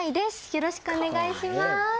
よろしくお願いします。